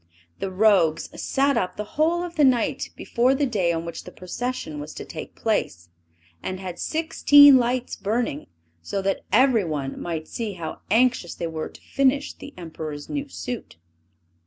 The rogues sat up the whole of the night before the day on which the procession was to take place, and had sixteen lights burning, so that everyone might see how anxious they were to finish the Emperor's new suit.